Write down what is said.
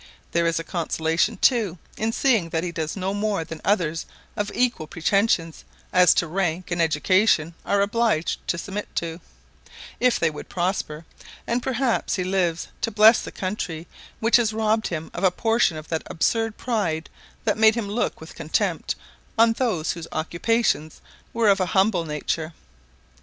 There is a consolation, too, in seeing that he does no more than others of equal pretensions as to rank and education are obliged to submit to, if they would prosper; and perhaps he lives to bless the country which has robbed him of a portion of that absurd pride that made him look with contempt on those whose occupations were of a humble nature.